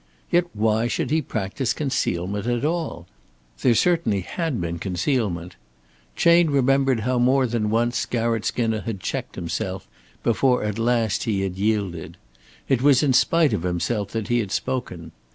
Yet why should he practise concealment at all? There certainly had been concealment. Chayne remembered how more than once Garratt Skinner had checked himself before at last he had yielded. It was in spite of himself that he had spoken.